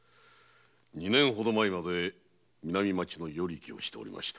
二年ほど前まで南町の与力をしておりました。